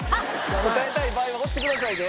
答えたい場合は押してくださいね。